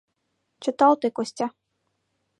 — Чыталте, Костя...